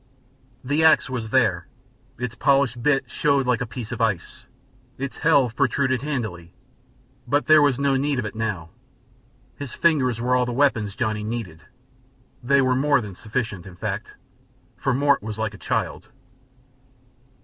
The ax was there, its polished bit showed like a piece of ice, its helve protruded handily, but there was no need of it now; his fingers were all the weapons Johnny needed; they were more than sufficient, in fact, for Mort was like a child.